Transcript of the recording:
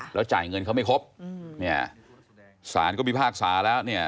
แล้วจ่ายเงินเขาไม่ครบเนี่ยสารก็พิพากษาแล้วเนี่ย